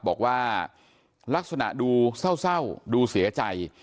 บอกว่าลักษณะดูเศร้าดูเสียใจ